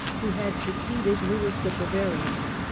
who had succeeded Lewis the Bavarian.